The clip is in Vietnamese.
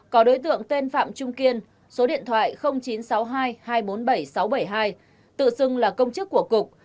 có đối tượng tên phạm trung kiên số điện thoại chín trăm sáu mươi hai hai trăm bốn mươi bảy sáu trăm bảy mươi hai tự xưng là công chức của cục